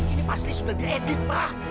ini pasti sudah diedit pak